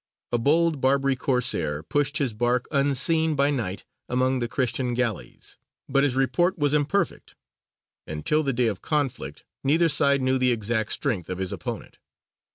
A bold Barbary Corsair pushed his bark unseen by night among the Christian galleys, but his report was imperfect, and till the day of conflict neither side knew the exact strength of his opponent.